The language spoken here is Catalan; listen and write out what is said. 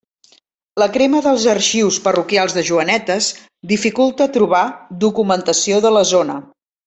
La crema dels arxius parroquials de Joanetes dificulta trobar documentació de la zona.